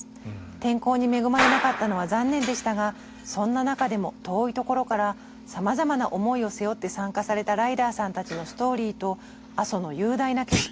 天候に恵まれなかったのは残念でしたがそんな中でも遠いところからさまざまな思いを背負って参加されたライダーさんたちのストーリーと阿蘇の雄大な景色